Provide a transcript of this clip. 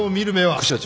副社長。